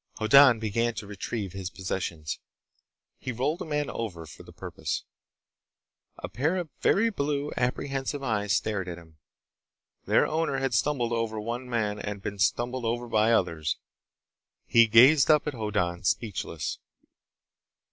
Hoddan began to retrieve his possessions. He rolled a man over, for the purpose. A pair of very blue, apprehensive eyes stared at him. Their owner had stumbled over one man and been stumbled over by others. He gazed up at Hoddan, speechless.